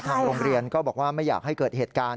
ทางโรงเรียนก็บอกว่าไม่อยากให้เกิดเหตุการณ์